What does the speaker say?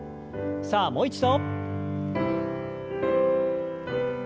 さあもう一度。